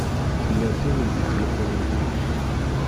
Tella tin i d-ittmuqqulen deg-k.